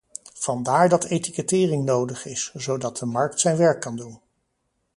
Vandaar dat etikettering nodig is, zodat de markt zijn werk kan doen.